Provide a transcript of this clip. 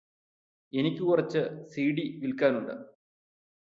എനിക്ക് കുറച്ച് സിഡി വിൽക്കാനുണ്ട്